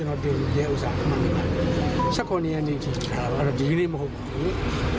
สักครู่นี้อันนี้ทีอาหารดีริมห่วง